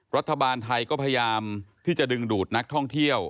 รัฐบาลไทยก็พยายามที่จะดึงดูดนักท่องเที่ยว